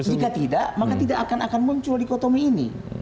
jika tidak maka tidak akan muncul dikotomi ini